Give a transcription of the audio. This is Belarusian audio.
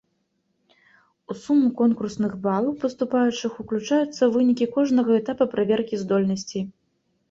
У суму конкурсных балаў паступаючых уключаюцца вынікі кожнага этапа праверкі здольнасцей.